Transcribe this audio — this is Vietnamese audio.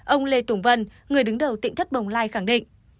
ông lê tùng vân người đứng đầu tỉnh thất bồng lai khẳng định